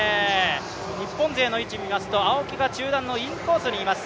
日本勢の位置をみますと、青木が中団のインコースにいます。